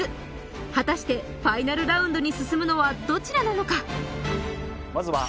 果たしてファイナルラウンドに進むのはどちらなのか？